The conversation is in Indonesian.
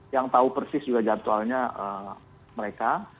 yang tahu persis juga jadwalnya mereka